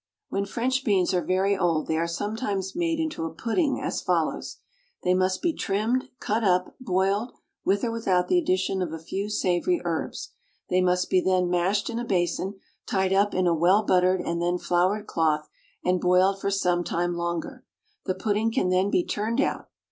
When French beans are very old they are sometimes made into a pudding as follows: They must be trimmed, cut up, boiled, with or without the addition of a few savoury herbs. They must be then mashed in a basin, tied up in a well buttered and then floured cloth, and boiled for some time longer. The pudding can then be turned out.